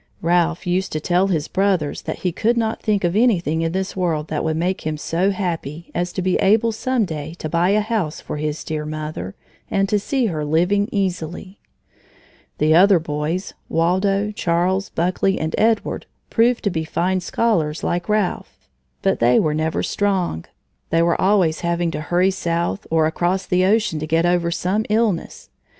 Ralph used to tell his brothers that he could not think of anything in this world that would make him so happy as to be able some day to buy a house for his dear mother and to see her living easily. The other boys, Waldo, Charles, Buckley, and Edward, proved to be fine scholars, like Ralph, but they were never strong. They were always having to hurry south, or across the ocean to get over some illness.